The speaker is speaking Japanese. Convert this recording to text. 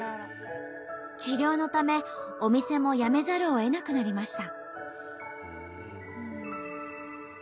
治療のためお店も辞めざるをえなくなりました。